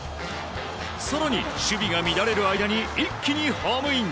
更に、守備が乱れる間に一気にホームイン。